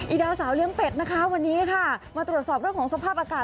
ดาวสาวเลี้ยงเป็ดนะคะวันนี้ค่ะมาตรวจสอบเรื่องของสภาพอากาศ